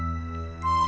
ceng eh tunggu